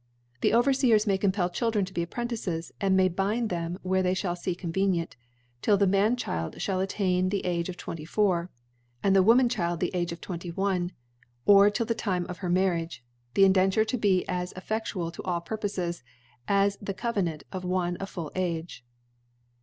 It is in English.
The Overfeers may compel Children. to 'be Apprentices, and may bind them where they fhall fee convenient ; till the Man child (hall attain the Age of 24, or the Wonrian child the Age of 2 1, or till the Time of her Mariiage 5 the Indenture to be as efFeftua! to all Purpofes as the Cove nant of one of full Age.